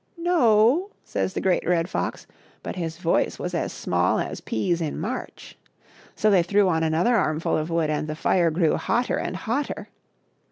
" No," says the Great Red Fox, but his voice was as small as peas in March. So they threw on another armful of wood, and the fire grew hotter and hotter.